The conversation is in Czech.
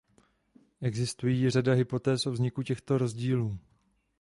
Existují řada hypotéz o vzniku těchto rozdílů.